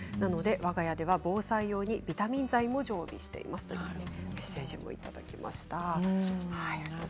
わが家では防災用にビタミン剤も常備していますというメッセージをいただきました。